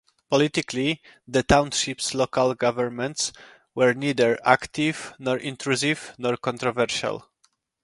Politically, the townships' local governments were neither active nor intrusive nor controversial.